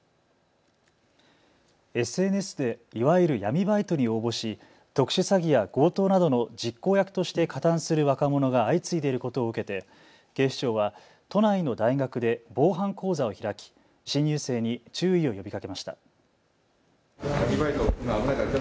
ＳＮＳでいわゆる闇バイトに応募し特殊詐欺や強盗などの実行役として加担する若者が相次いでいることを受けて警視庁は都内の大学で防犯講座を開き新入生に注意を呼びかけました。